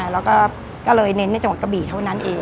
เราก็เน้นในจังหวัดกะบิเท่านั้น